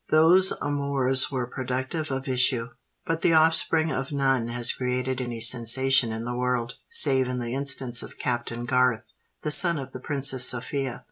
Those amours were productive of issue; but the offspring of none has created any sensation in the world, save in the instance of Captain Garth, the son of the Princess Sophia.